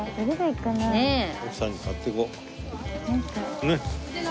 奥さんに買っていこう。